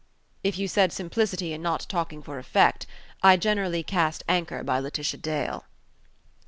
"If you said simplicity and not talking for effect! I generally cast anchor by Laetitia Dale."